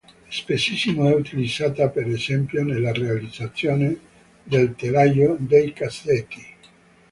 Spessissimo è utilizzata per esempio nella realizzazione del telaio dei cassetti.